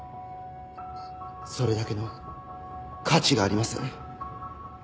それだけの価値があります